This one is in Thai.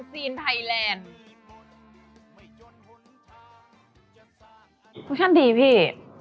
โปรดัคชั่นดีพี่